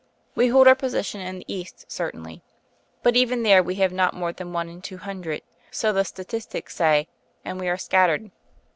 We hold our position in the East, certainly; but even there we have not more than one in two hundred so the statistics say and we are scattered.